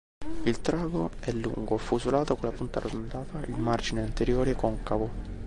Il trago è lungo, affusolato, con la punta arrotondata e il margine anteriore concavo.